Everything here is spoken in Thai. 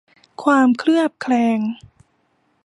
ความเคลือบแคลง